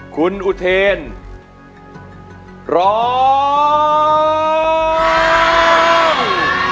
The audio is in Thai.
คุณอุเทนร้อง